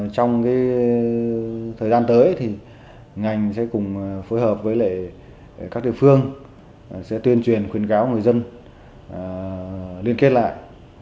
trong thời gian tới thì ngành sẽ cùng phối hợp với các địa phương sẽ tuyên truyền khuyến cáo người dân liên kết lại